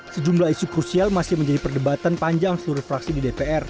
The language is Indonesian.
sejumlah isu krusial masih menjadi perdebatan panjang seluruh fraksi di dpr